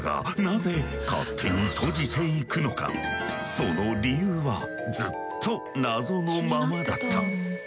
その理由はずっと謎のままだった。